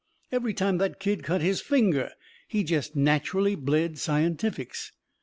Every time that kid cut his finger he jest natcherally bled scientifics.